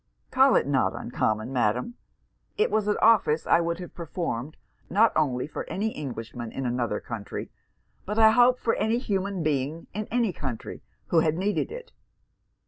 'Call it not uncommon, Madam! It was an office I would have performed, not only for any Englishman in another country, but I hope for any human being in any country, who had needed it.